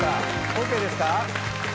ＯＫですか？